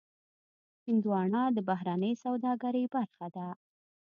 هندوانه د بهرنۍ سوداګرۍ برخه ده.